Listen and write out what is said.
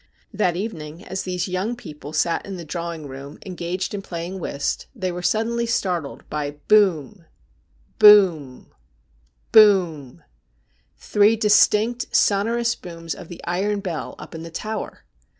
That evening, as these young people sat in the drawing 254 STORIES WEIRD AND WONDERFUL room engaged in playing whist, they were suddenly startled by boom, boom, boom — three distinct, sonorous booms of the iron bell up in the tower.